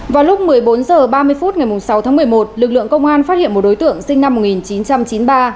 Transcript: vào lúc một mươi bốn h ba mươi phút ngày sáu tháng một mươi một lực lượng công an phát hiện một đối tượng sinh năm một nghìn chín trăm chín mươi ba